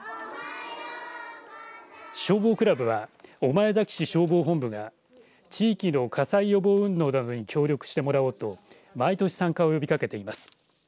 消防クラブは御前崎市消防本部が地域の火災予防運動などに協力してもらおうと毎年、参加を呼びかけています。